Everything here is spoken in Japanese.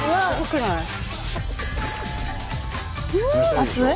熱い？